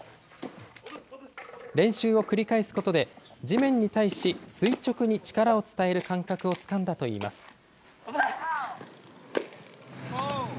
練習を繰り返すことで、地面に対し、垂直に力を伝える感覚をつかんだといいます。